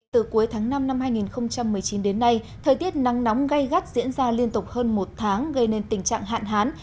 từ cuối tháng năm năm hai nghìn một mươi chín đến nay thời tiết nắng nóng gây gắt diễn ra liên tục hơn một tháng gây nên tình trạng hạn hán